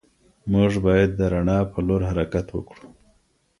موږ بايد د رڼا په لور حرکت وکړو.